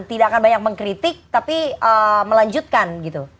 tidak akan banyak mengkritik tapi melanjutkan gitu